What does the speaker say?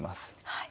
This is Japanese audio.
はい。